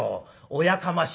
『おやかましい』と」。